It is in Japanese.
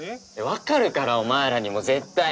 わかるからお前らにも絶対。